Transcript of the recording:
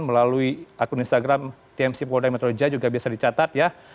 melalui akun instagram tmc polidaya metroja juga biasa dicatat ya